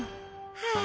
はあ。